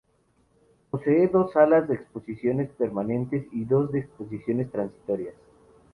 Posee dos salas de exposiciones permanentes y dos de exposiciones transitorias.